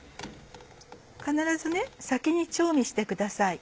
必ず先に調味してください。